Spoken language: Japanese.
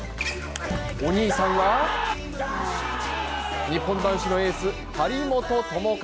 お兄さんは日本男子のエース、張本智和。